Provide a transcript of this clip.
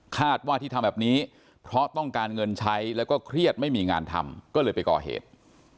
ว่าที่ทำแบบนี้เพราะต้องการเงินใช้แล้วก็เครียดไม่มีงานทำก็เลยไปก่อเหตุ